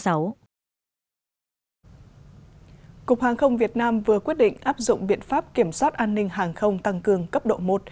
cục hàng không việt nam vừa quyết định áp dụng biện pháp kiểm soát an ninh hàng không tăng cường cấp độ một